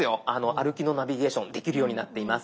歩きのナビゲーションできるようになっています。